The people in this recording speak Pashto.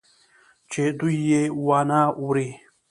چې دوى يې وانه وري.